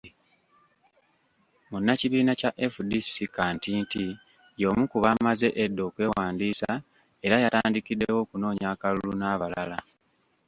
Munnakibiina kya FDC, Kantinti y'omu ku baamaze edda okwewandiisa era yatandikiddewo okunoonya akalulu, n'abalala.